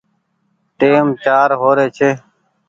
ٽيم چآر هو ري ڇي